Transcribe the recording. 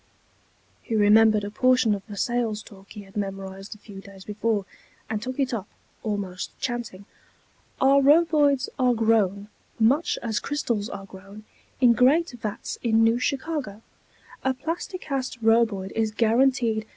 _ He remembered a portion of a sales talk he had memorized a few days before, and took it up, almost chanting: "... our Roboids are grown, much as crystals are grown, in great vats in New Chicago. A Plasti Cast Roboid is guaranteed...."